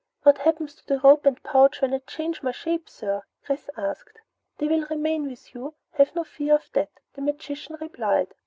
"What happens to the rope and pouch when I change my shape, sir?" Chris asked. "They will remain with you, have no fear of that," the magician replied.